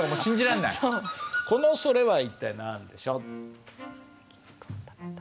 この「それ」は一体何でしょう？